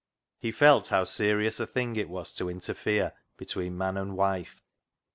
He felt how serious a thing it was to interfere between man and wife.